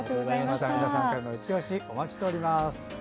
皆さんからのいちオシお待ちしております。